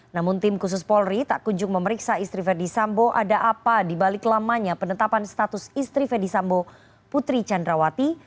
namun tim khusus polri tak kunjung memeriksa istri verdi sambo ada apa dibalik lamanya penetapan status istri ferdisambo putri candrawati